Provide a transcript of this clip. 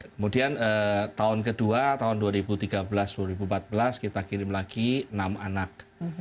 kemudian tahun kedua tahun dua ribu tiga belas dua ribu empat belas kita kirim lagi enam anak